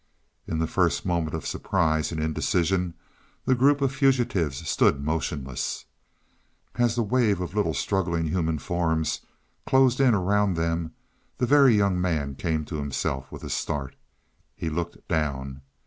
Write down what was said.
In the first moment of surprise and indecision the group of fugitives stood motionless. As the wave of little, struggling human forms closed in around them, the Very Young Man came to himself with a start. He looked down.